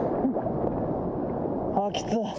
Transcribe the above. あきつっ。